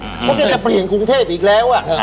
เพราะแกจะเปลี่ยนกรุงเทพอีกแล้ว